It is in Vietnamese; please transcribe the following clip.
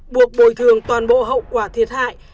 buộc bồi thường toàn bộ hậu quả thiệt hại